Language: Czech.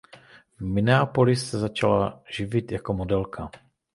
V Minneapolis se začala živit jako modelka.